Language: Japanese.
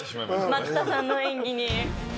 松田さんの演技に。